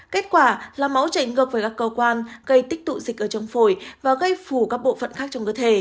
kết quả là máu chảy ngược với các cơ quan gây tích tụ dịch ở trong phổi và gây phủ các bộ phận khác trong cơ thể